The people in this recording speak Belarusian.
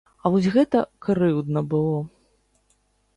А вось гэта крыўдна было!